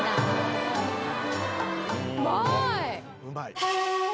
うまいね。